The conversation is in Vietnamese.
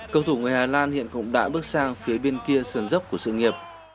cầu thủ người hà lan hiện cũng đã bước sang phía bên kia sườn dốc của sự nghiệp